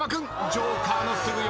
ジョーカーのすぐ横。